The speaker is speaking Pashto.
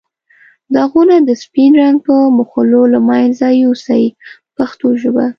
داغونه د سپین رنګ په مښلو له منځه یو سئ په پښتو ژبه.